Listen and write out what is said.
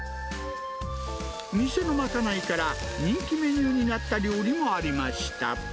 店のまかないから人気メニューになった料理もありました。